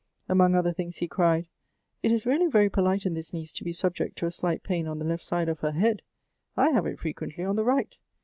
Among other things, he cried, "It is really very polite in this niece to be subject to a slight p.ain on the left side of her head. I have it frequently on the right.